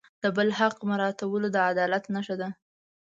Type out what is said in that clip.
د بل حق مراعتول د عدالت نښه ده.